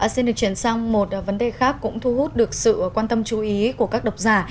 xin được chuyển sang một vấn đề khác cũng thu hút được sự quan tâm chú ý của các độc giả